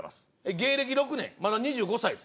芸歴６年まだ２５歳です。